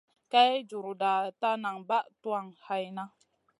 Kay juruda ta nan bah tuwan hayna.